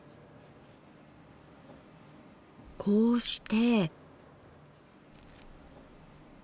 こうして。